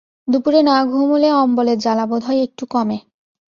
দুপুরে না ঘুমুলে অম্বলের জ্বালা বোধ হয় একটু কমে।